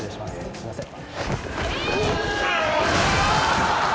すいません。